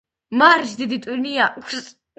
მარის დიდი ტვინი აქვს.